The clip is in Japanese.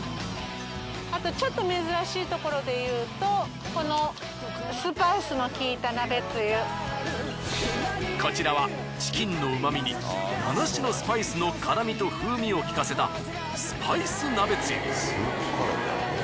あとちょっと珍しいところでいうとこのこちらはチキンの旨みに７種のスパイスの辛味と風味をきかせたスパイス鍋つゆ。